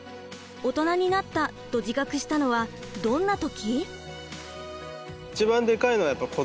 オトナになったと自覚したのはどんな時？